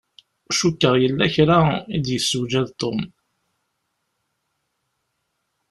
Cukkeɣ yella kra i d-yessewjad Tom.